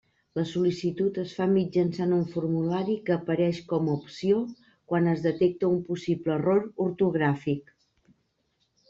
La sol·licitud es fa mitjançant un formulari que apareix com a opció quan es detecta un possible error ortogràfic.